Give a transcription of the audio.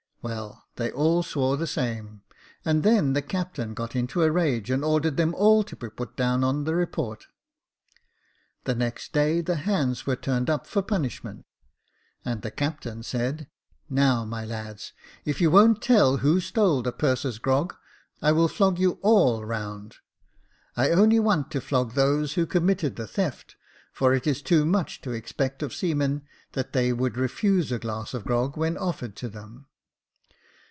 " Well, they all swore the same, and then the captain got into a rage, and ordered them all to be put down on the report. The next day the hands were turned up for punishment, and the captain said, ' Now, my lads, if you won't tell who stole the purser's grog, I will flog you all round. I only want to flog those who committed the theft, for it is too much to expect of seamen, that they would refuse a glass of grog when offered to them.'